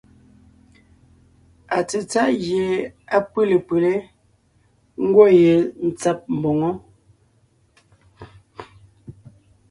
Atsetsáʼ gie á pʉ́le pʉlé, ńgwɔ́ yentsǎb mboŋó.